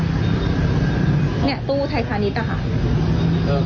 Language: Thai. เนี่ยตู้ไทยคณิตอ่ะค่ะเออพี่เกดน่ะพี่เริ่มทำยังไงดี